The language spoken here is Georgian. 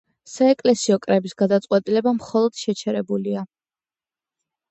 საეკლესიო კრების გადაწყვეტილება მხოლოდ შეჩერებულია.